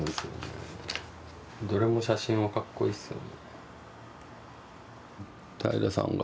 どれも写真はかっこいいっすよね。